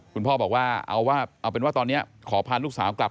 คุณพ่อบอกว่าเอาเป็นว่าตอนนี้ขอพาลูกสาวกลับ